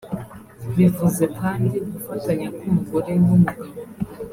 bivuze kandi gufatanya k’umugore n’umugabo